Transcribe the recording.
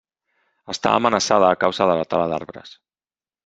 Està amenaçada a causa de la tala d'arbres.